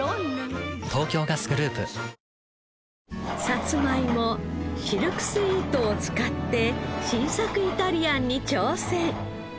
さつまいもシルクスイートを使って新作イタリアンに挑戦！